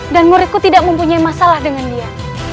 dan muridku tidak mempunyai masalah dengan dia